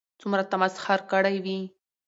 څومره تمسخر كړى وي